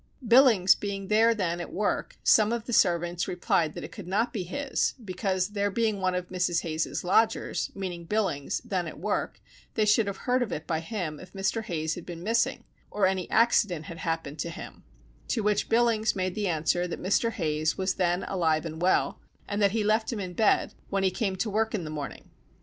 Billings being there then at work, some of the servants replied it could not be his, because there being one of Mrs. Hayes's lodgers (meaning Billings) then at work, they should have heard of it by him if Mr. Hayes had been missing, or any accident had happened to him; to which Billings made answer, that Mr. Hayes was then alive and well, and that he left him in bed, when he came to work in the morning.